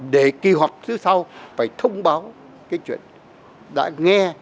để kỳ họp thứ sau phải thông báo cái chuyện đã nghe